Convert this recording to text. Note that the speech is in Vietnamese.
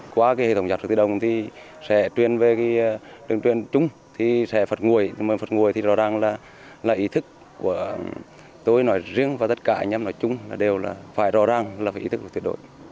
qua hệ thống giao thông tự động thì sẽ truyền về đường truyền chung thì sẽ phật nguồi nhưng mà phật nguồi thì rõ ràng là ý thức của tôi nói riêng và tất cả anh em nói chung là đều là phải rõ ràng là phải ý thức tuyệt đội